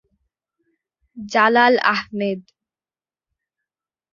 Jalal Ahmed